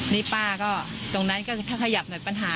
นี่ป้าก็ตรงนั้นก็ถ้าขยับหน่อยปัญหา